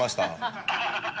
「ハハハハ」